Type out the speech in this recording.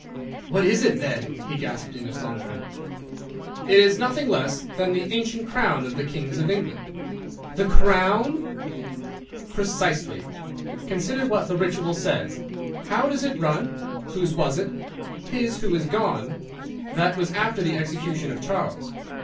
"'What is it, then?' he gasped in astonishment. "'It is nothing less than the ancient crown of the Kings of England.' "'The crown!' "'Precisely. Consider what the Ritual says: How does it run? "Whose was it?" "His who is gone." That was after the execution of Charles.